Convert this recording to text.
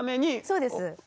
そうです。